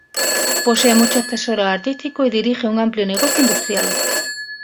Posee muchos tesoros artísticos y dirige un amplio negocio industrial.